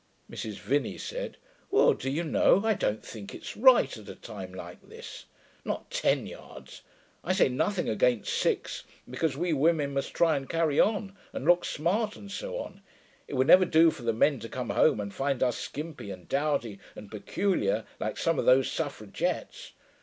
Mrs. Vinney said, 'Well, do you know, I don't think it's right, at a time like this. Not ten yards. I say nothing against six; because we women must try and carry on, and look smart and so on. It would never do for the men to come home and find us skimpy and dowdy and peculiar, like some of those suffragettes....